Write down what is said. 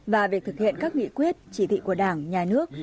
và việc thực hiện các nghị quyết chỉ thị của đảng nhà nước